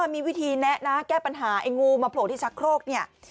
มีวิธีแนะนะแก้ปัญหาไอ้งูมาโผล่ที่ชักโครกเนี่ย